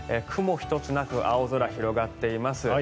雲一つなく青空が広がっています。